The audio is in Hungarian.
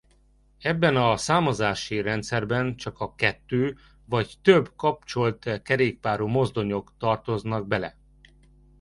Ebben a számozási rendszerben csak a kettő vagy több kapcsolt kerékpárú mozdonyok tartoztak bele.